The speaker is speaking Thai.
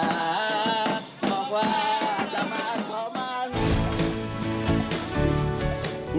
ขอบคุณค่ะขอบคุณค่ะ